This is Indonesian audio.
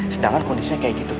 sedangkan kondisinya kayak gitu